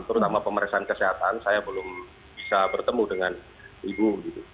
terutama pemeriksaan kesehatan saya belum bisa bertemu dengan ibu